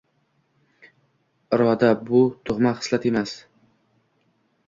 Iroda – bu tug‘ma xislat emas.